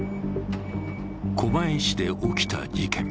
狛江市で起きた事件。